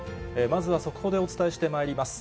まずは速報でお伝えしてまいります。